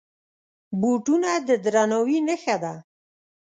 بوټونه د درناوي نښه ده.